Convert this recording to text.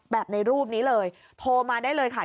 ในรูปนี้เลยโทรมาได้เลยค่ะ